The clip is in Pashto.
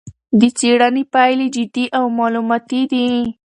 د څېړنې پایلې جدي او معلوماتي دي.